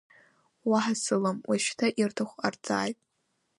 Уаҳа сылам, уажәшьҭа ирҭаху ҟарҵааит…